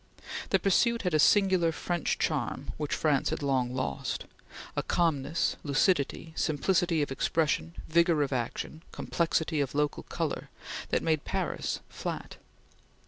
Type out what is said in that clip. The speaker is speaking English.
The pursuit had a singular French charm which France had long lost a calmness, lucidity, simplicity of expression, vigor of action, complexity of local color, that made Paris flat.